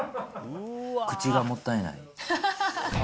口がもったいない。